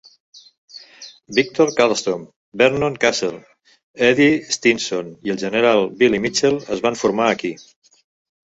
Victor Carlstrom, Vernon Castle, Eddie Stinson i el general Billy Mitchell es van formar aquí.